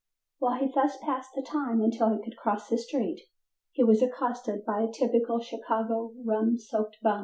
While he thus passed the time until he could cross the street, he was accosted by a typical Chicago rum soaked bum.